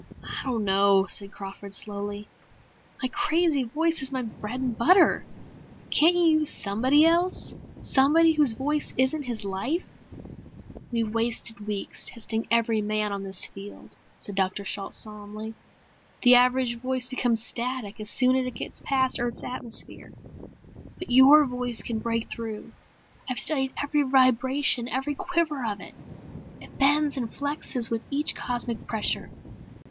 "I don't know," said Crawford slowly. "My crazy voice is my bread and butter. Can't you use somebody else? Somebody whose voice isn't his life?" "We've wasted weeks testing every man on this field," said Dr. Shalt solemnly. "The average voice becomes static as soon as it gets past Earth's atmosphere. But your voice can break through. I've studied every vibration, every quiver of it. It bends and flexes with each cosmic pressure.